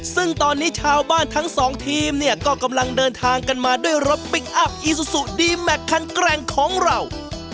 ซึ่งตอนนี้ชาวบ้านทั้งสองทีมเนี่ยก็กำลังเดินทางกันมาด้วยรถพลิกอัพอีซูซูดีแมคคันแกร่งของเรา